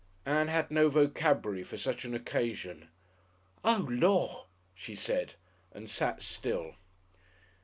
Ann had no vocabulary for such an occasion. "Oh, Lor'!" she said, and sat still.